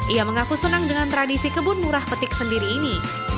ia mengaku senang dengan tradisi kebun murah petik sendiri ini